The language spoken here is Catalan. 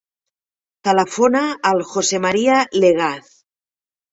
Telefona al José maria Legaz.